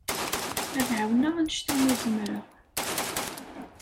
Ad ɛawneɣ anect umi zemreɣ.